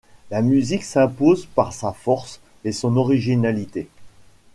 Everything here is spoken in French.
La musique s'impose par sa force et son originalité.